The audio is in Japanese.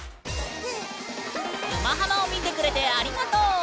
「沼ハマ」を見てくれてありがとう！